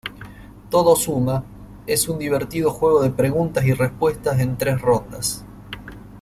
Todo suma: es un divertido juego de preguntas y respuestas en tres rondas.